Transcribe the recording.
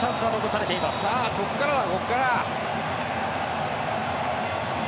さあここからだここから。